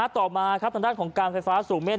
ต่อมาครับธรรมด้านการไฟฟ้าสูงเมน